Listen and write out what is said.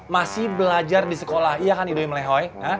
masih belajar di sekolah iya kan idoim lehoi